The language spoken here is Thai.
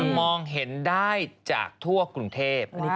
มองเห็นได้จากทั่วกรุงเทพ